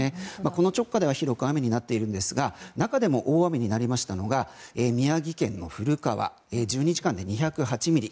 この直下では広く雨になっているんですが中でも大雨になりましたのが宮城県の古川１２時間で２０８ミリ。